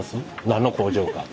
何の工場か。